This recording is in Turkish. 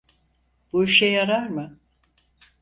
Bu işe yarar mı?